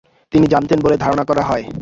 তিনি জানতেন বলে ধারণা করা হয়।